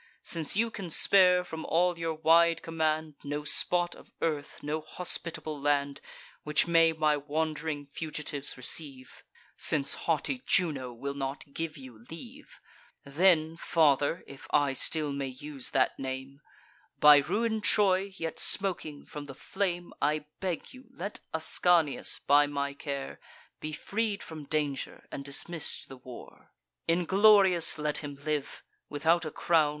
Since you can spare, from all your wide command, No spot of earth, no hospitable land, Which may my wand'ring fugitives receive; (Since haughty Juno will not give you leave;) Then, father, (if I still may use that name,) By ruin'd Troy, yet smoking from the flame, I beg you, let Ascanius, by my care, Be freed from danger, and dismiss'd the war: Inglorious let him live, without a crown.